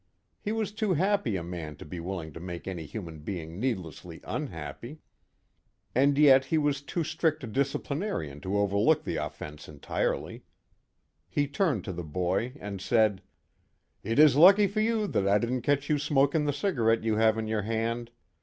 He was too happy a man to be willing to make any human being needlessly unhappy. And yet he was too strict a disciplinarian to overlook the offence entirely. He turned to the boy and said: "It is lucky for you that I didn't catch you smoking the cigarette you have in your hand.